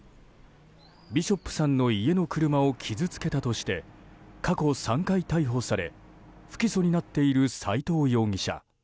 ビショップさんの家の車を傷つけたとして過去３回逮捕され不起訴になっている斎藤容疑者。